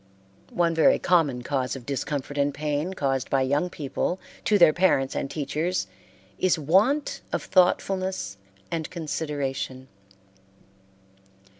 One very common cause of discomfort and pain caused by young people to their parents and teachers is want of thoughtfulness and consideration.